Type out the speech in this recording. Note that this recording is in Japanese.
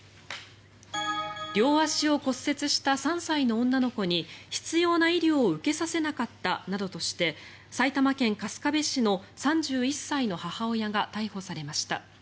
両足を骨折した３歳の女の子に必要な医療を受けさせなかったなどとして埼玉県春日部市の３１歳の母親が逮捕されました。